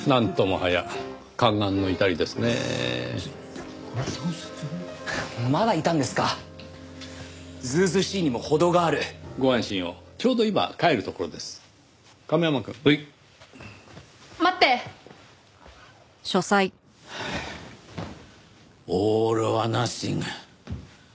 はあ。オール・オア・ナッシング。